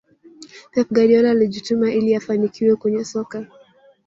pep guardiola alijituma ili afanikiwe kwenye soka